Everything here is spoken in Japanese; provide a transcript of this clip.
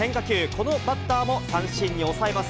このバッターも三振に抑えます。